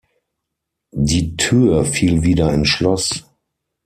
Die Tür fiel wieder ins Schloß.